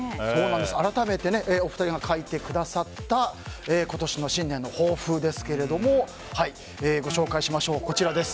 改めてお二人が書いてくださった今年の新年の抱負ですけれどもご紹介しましょう。